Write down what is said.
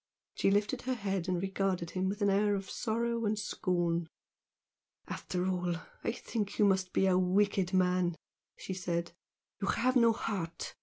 She lifted her head and regarded him with an air of sorrow and scorn. "After all, I think you must be a wicked man!" she said "You have no heart!